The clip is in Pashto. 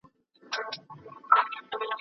ارستو وايي چې انسان له طبیعت څخه تقلید کوي.